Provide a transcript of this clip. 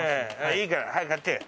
いいから早く貼ってよ。